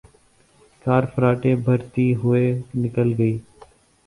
کار فراٹے بھرتی ہوئے نکل گئی۔